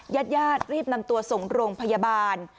ญาติรีบนำตัวส่งลงพยาบาล